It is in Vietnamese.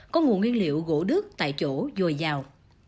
có nguồn nguyên liệu gỗ đứt tại chỗ dồi dào